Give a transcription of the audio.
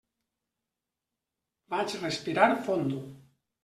Vaig respirar fondo.